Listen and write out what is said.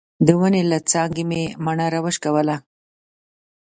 د ونې له څانګې مې مڼه راوشکوله.